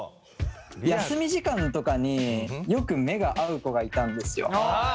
休み時間とかによく目が合う子がいたんですよ。